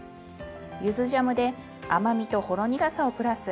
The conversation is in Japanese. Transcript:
ゆずジャムで甘みとほろ苦さをプラス。